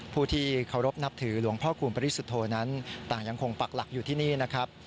ผู้ที่เคารพนับถือหลวงพ่อคูณปริสุทธโธนั้นต่างยังคงปักหลักอยู่ที่นี่นะครับ